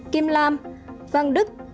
kim lam văn đức